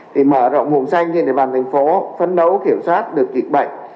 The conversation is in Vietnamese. thì mở rộng vùng xanh trên địa bàn thành phố phấn đấu kiểm soát được dịch bệnh